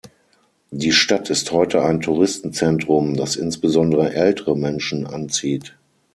Die Stadt ist heute ein Touristenzentrum, das insbesondere ältere Menschen anzieht.